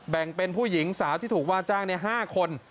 แบ่งเป็นผู้หญิงสาวที่ถูกว่าจ้าง๕คน